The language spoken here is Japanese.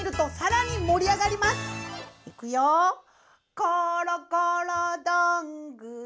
「ころころどんぐり」